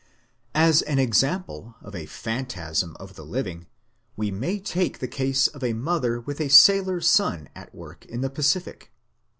As an example of a phantasm of the living, we may take the case of a mother with a sailor son at work in the Pacific.